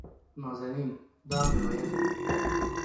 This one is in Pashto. نازنين: دا مې وېل